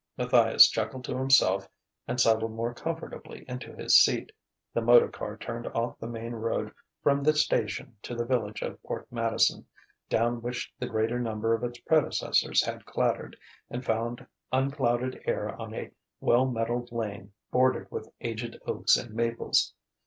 Matthias chuckled to himself and settled more comfortably into his seat. The motor car turned off the main road from the station to the village of Port Madison, down which the greater number of its predecessors had clattered, and found unclouded air on a well metalled lane bordered with aged oaks and maples.